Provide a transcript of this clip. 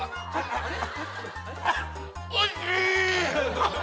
おいしーい！